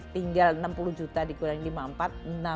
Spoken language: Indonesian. tinggal enam puluh juta dikurangin lima puluh empat